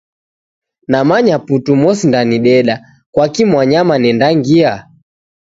Namanya putu mosindanideda. Kwaki mwanyama nendangia?